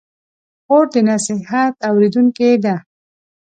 خور د نصیحت اورېدونکې ده.